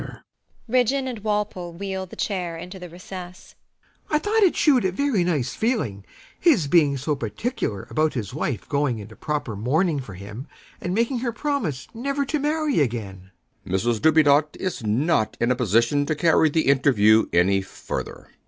THE NEWSPAPER MAN [to Sir Ralph] I thought it shewed a very nice feeling, his being so particular about his wife going into proper mourning for him and making her promise never to marry again. B. B. [impressively] Mrs Dubedat is not in a position to carry the interview any further.